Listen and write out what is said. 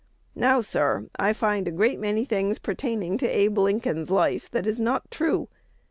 Now, sir, I find a great many things pertaining to Abe Lincoln's life that is not true.